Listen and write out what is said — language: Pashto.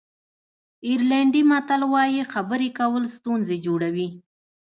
آیرلېنډي متل وایي خبرې کول ستونزې جوړوي.